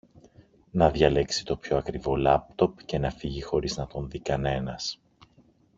να διαλέξει το πιο ακριβό λάπτοπ και να φύγει χωρίς να τον δει κανένας